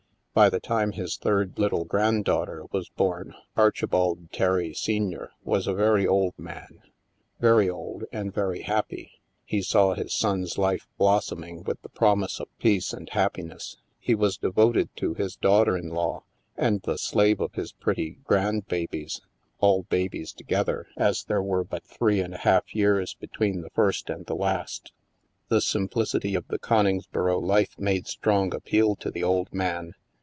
By the time his third little granddaughter was bom, Archibald Terry, senior, was a very old man — very old and very happy. He saw his son's life blossoming with the promise of peace and happiness. He was devoted to his daughter in law, and the slave of his pretty grandbabies — all babies together, as there were but three and a half years between the first and the last. The simplicity of the Coningsboro life made strong appeal to the old man.